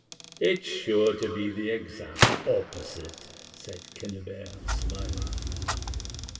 "It's sure to be the exact opposite," said Quennebert smiling.